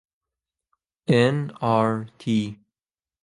ئێن ئاڕ تی